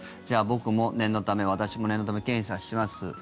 じゃあ、僕も念のため私も念のため検査します